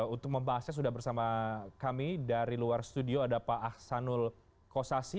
untuk membahasnya sudah bersama kami dari luar studio ada pak ahsanul kosasi